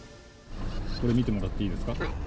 これを見てもらっていいですはい。